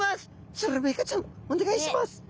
スルメイカちゃんお願いします。